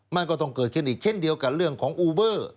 มันก็ต้องเกิดขึ้นอีกเช่นเดียวกับเรื่องของอูเบอร์